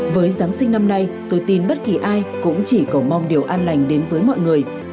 với giáng sinh năm nay tôi tin bất kỳ ai cũng chỉ cầu mong điều an lành đến với mọi người